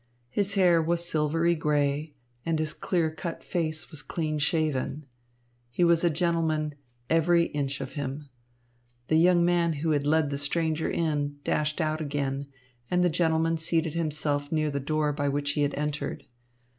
His hair was silvery grey, and his clear cut face was clean shaven. He was a gentleman, "every inch of him." The young man who had led the stranger in, dashed out again, and the gentleman seated himself near the door by which he had entered.